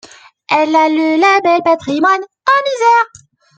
Elle a le label Patrimoine en Isère.